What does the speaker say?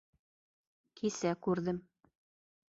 Кисә күрҙем.